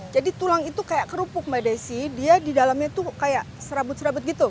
jadi tulang itu kayak kerupuk mbak desy dia di dalamnya kayak serabut serabut gitu